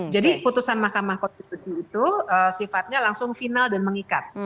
jadi putusan mahkamah konstitusi itu sifatnya langsung final dan mengikat